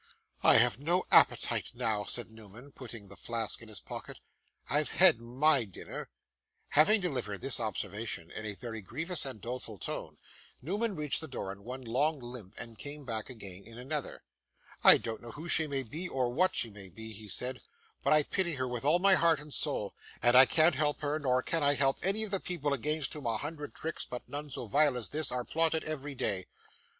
'I have no appetite now,' said Newman, putting the flask in his pocket. 'I've had MY dinner.' Having delivered this observation in a very grievous and doleful tone, Newman reached the door in one long limp, and came back again in another. 'I don't know who she may be, or what she may be,' he said: 'but I pity her with all my heart and soul; and I can't help her, nor can I any of the people against whom a hundred tricks, but none so vile as this, are plotted every day!